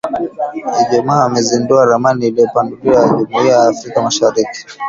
Ijumaa wamezindua ramani iliyopanuliwa ya Jumuiya ya Afrika Mashariki